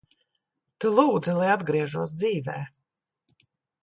Tu lūdzi, lai atgriežos dzīvē.